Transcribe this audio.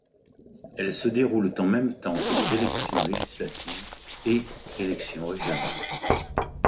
Elles se déroulent en même temps que les élections législatives et élections régionales.